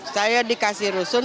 saya dikasih rusun